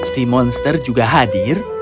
si monster juga hadir